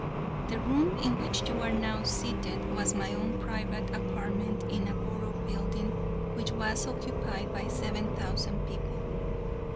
The room in which you are now seated was my own private apartment in a borough building which was occupied by seven thousand people.